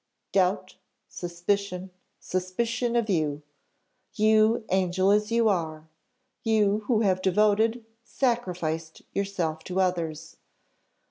Doubt! suspicion! suspicion of you! you, angel as you are you, who have devoted, sacrificed yourself to others.